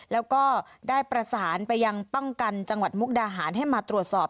แล้วก็ได้ประสานไปยังป้องกันจังหวัดมุกดาหารให้มาตรวจสอบ